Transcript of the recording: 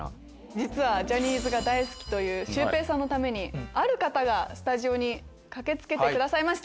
実はジャニーズが大好きというシュウペイさんのためにある方がスタジオに駆け付けてくださいました。